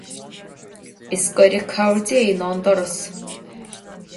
Is gaire cabhair Dé ná an doras.